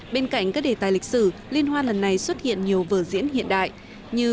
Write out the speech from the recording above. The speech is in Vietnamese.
bên cạnh các đề tài lịch sử liên hoan lần này xuất hiện nhiều vở diễn hiện đại như